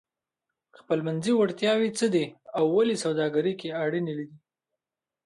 خپلمنځي وړتیاوې څه دي او ولې سوداګري کې اړینې دي؟